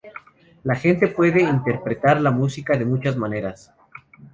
La gente puede interpretar la música de muchas maneras.